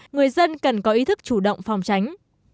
người dân cần có ý thức chủ động phòng tránh